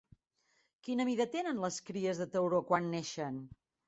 Quina mida tenen les cries de tauró quan neixen?